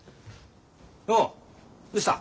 ようどうした？